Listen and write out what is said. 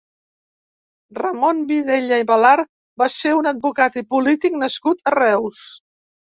Ramon Vidiella i Balart va ser un advocat i polític nascut a Reus.